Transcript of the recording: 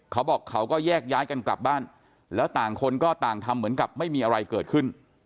เขาบอกเขาก็แยกย้ายกันกลับบ้านแล้วต่างคนก็ต่างทำเหมือนกับไม่มีอะไรเกิดขึ้น